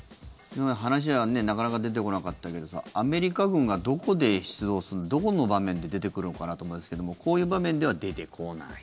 今まで話はなかなか出てこなかったけどアメリカ軍がどこで出動するどこの場面で出てくるのかなと思いますけどもこういう場面では出てこない？